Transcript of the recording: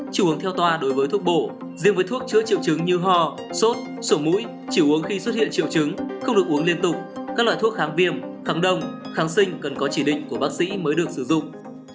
chủ hướng theo toa đối với thuốc bổ riêng với thuốc chữa như ho sốt sổ mũi chỉ uống khi xuất hiện triệu chứng không được uống liên tục các loại thuốc kháng viêm kháng đông kháng sinh cần có chỉ định của bác sĩ mới được sử dụng